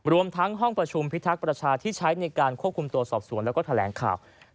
รวมทั้งห้องประชุมพิทักษ์ประชาที่ใช้ในการควบคุมตัวสอบสวนแล้วก็แถลงข่าว